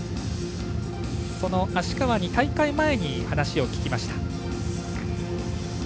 その芦川に大会前に話を聞きました。